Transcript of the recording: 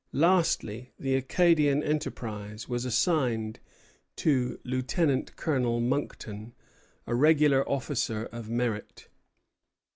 Lastly, the Acadian enterprise was assigned to Lieutenant Colonel Monckton, a regular officer of merit.